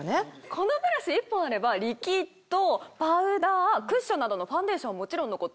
このブラシ１本あればリキッドパウダークッションなどのファンデーションはもちろんのこと